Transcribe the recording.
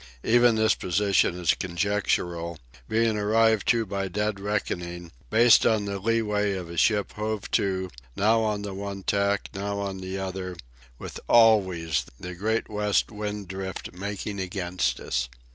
Even this position is conjectural, being arrived at by dead reckoning, based on the leeway of a ship hove to, now on the one tack, now on the other, with always the Great West Wind Drift making against us.